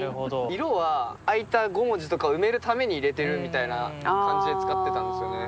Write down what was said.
色は空いた５文字とかを埋めるために入れてるみたいな感じで使ってたんですよね。